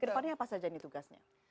kedepannya apa saja ini tugasnya